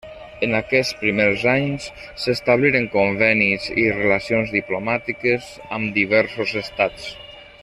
En aquests primers anys s'establiren convenis i relacions diplomàtiques amb diversos estats.